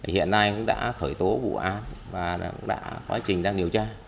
hiện nay cũng đã khởi tố vụ án và đã quá trình điều tra